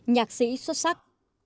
nhạc sĩ xuất sắc